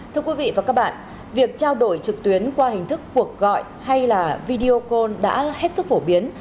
thưa quý vị và các bạn việc trao đổi trực tuyến qua hình thức cuộc gọi hay là video call đã hết sức phổ biến